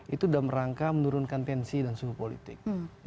itu dalam rangka menurunkan tensi dan suhu politik